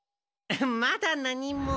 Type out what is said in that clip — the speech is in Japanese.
まだ何も。